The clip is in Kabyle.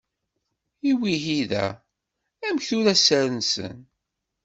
I wihida amek tura sser-nsen.